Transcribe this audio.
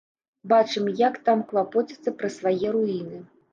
Бачым, як там клапоцяцца пра свае руіны.